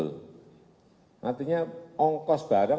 iya dan memasuki medan